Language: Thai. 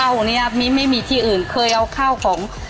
ข้าวนี้อะมีไม่มีที่อื่นเคยเอาข้าวของ